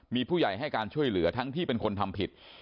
มีผู้ใหญ่ให้การช่วยเหลือทั้งที่เป็นคนทำผิด